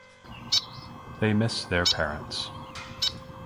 They miss their parents.